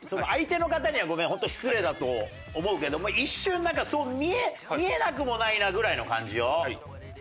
相手の方にはごめん本当失礼だと思うけども一瞬なんかそう見えなくもないなぐらいの感じよ。